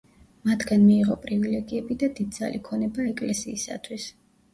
მათგან მიიღო პრივილეგიები და დიდძალი ქონება ეკლესიისათვის.